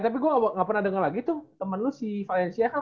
tapi gue gak pernah dengar lagi tuh temen lu si filencia kan